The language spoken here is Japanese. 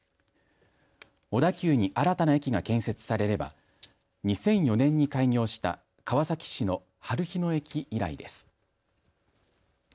小田急に新たな駅が建設されれば２００４年に開業した川崎市のはるひ野駅以来です。